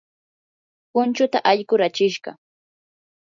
punchuuta allqu rachishqa.